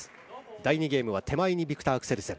第２ゲームは手前にビクター・アクセルセン。